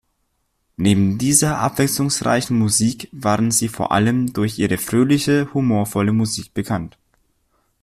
Neben dieser abwechslungsreichen Musik waren sie vor allem durch ihre fröhliche, humorvolle Musik bekannt.